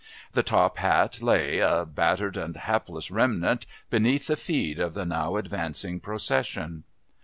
The top hat lay, a battered and hapless remnant, beneath the feet of the now advancing procession.